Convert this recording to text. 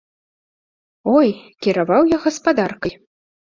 Ой, кіраваў я гаспадаркай!